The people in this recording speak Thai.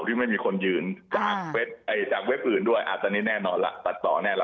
ที่ไม่มีคนยืนจากเว็บอื่นด้วยอาจจะนิดแน่นอนล่ะ